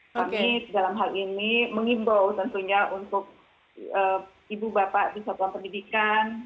kami dalam hal ini mengimbau tentunya untuk ibu bapak di satuan pendidikan